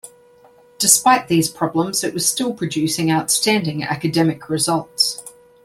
Despite these problems it was still producing outstanding academic results.